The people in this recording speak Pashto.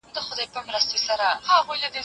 په پرېکړو کې خپلواکي کمه شوې ده.